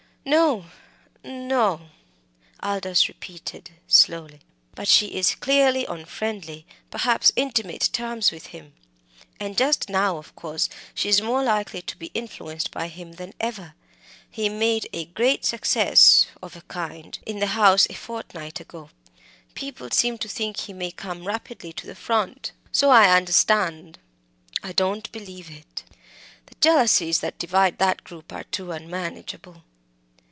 "No no," Aldous repeated slowly; "but she is clearly on friendly, perhaps intimate, terms with him. And just now, of course, she is more likely to be influenced by him than ever. He made a great success of a kind in the House a fortnight ago. People seem to think he may come rapidly to the front." "So I understand. I don't believe it. The jealousies that divide that group are too unmanageable.